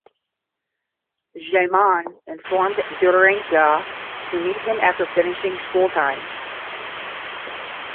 Jayamanne informed Deraniyagala to meet him after finishing school times.